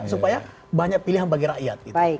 supaya banyak pilihan bagi rakyat